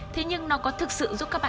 thế nhưng nó có thực sự giúp các bạn